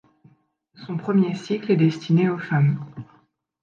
Son premier cycle est destiné aux femmes.